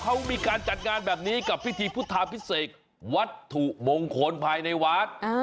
เขามีการจัดงานแบบนี้กับพิธีพุทธาพิเศษวัตถุมงคลภายในวัด